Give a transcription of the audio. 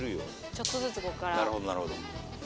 ちょっとずつここから。